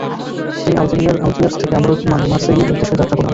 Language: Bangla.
তিনি আলজিয়ার্স থেকে আবারও মারসেইলির উদ্দেশ্যে যাত্রা করেন।